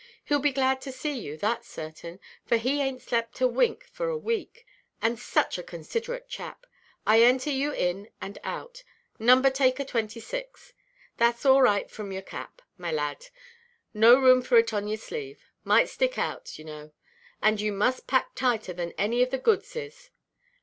Heʼll be glad to see you, thatʼs certain, for he ainʼt slept a wink for a week. And such a considerate chap. I enter you in and out. 'Number–taker 26.' Thatʼs all right from your cap, my lad. No room for it on your sleeve. Might stick out, you know, and you must pack tighter than any of the goods is.